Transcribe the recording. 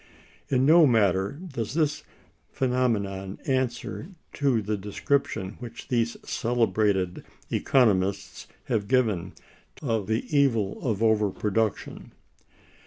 In no matter does this phenomenon answer to the description which these celebrated economists have given of the evil of over production.